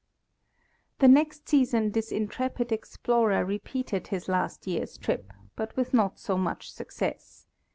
The next season this intrepid explorer repeated his last year's trip, but with not so much success.